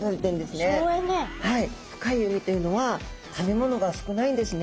深い海というのは食べ物が少ないんですね。